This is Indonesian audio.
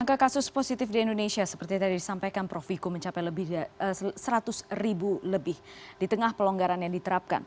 angka kasus positif di indonesia seperti tadi disampaikan prof wiku mencapai seratus ribu lebih di tengah pelonggaran yang diterapkan